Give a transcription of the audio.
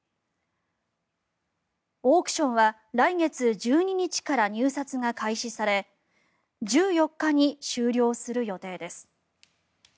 オークションは来月１２日から入札が開始され１４日に終了する予定です。